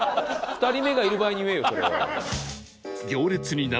２人目がいる場合に言えよそれは。